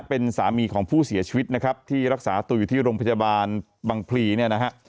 เป็นสามีของผู้เสียชีวิตนะครับที่รักษาตัวอยู่ที่โรงพยาบาลบังพลีเนี่ยนะฮะ